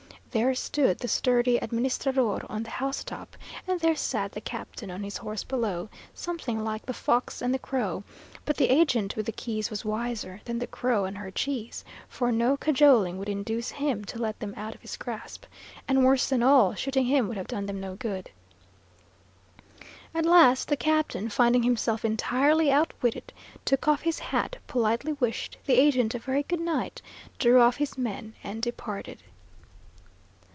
There stood the sturdy administrador on the housetop, and there sat the captain on his horse below, something like the fox and the crow; but the agent with the keys was wiser than the crow and her cheese, for no cajoling would induce him to let them out of his grasp; and worse than all, shooting him would have done them no good. At last the captain, finding himself entirely outwitted, took off his hat, politely wished the agent a very good night, drew off his men and departed.